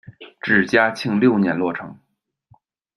至嘉庆六年落成。